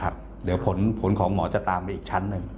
เดี๋ยวผลของหมอจะตามไปอีกชั้นหนึ่ง